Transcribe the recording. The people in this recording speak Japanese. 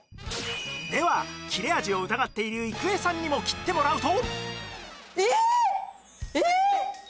では切れ味を疑っている郁恵さんにも切ってもらうと